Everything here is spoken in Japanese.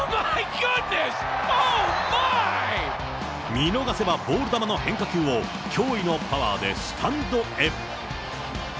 見逃せばボール球の変化球を驚異のパワーでスタンドへ。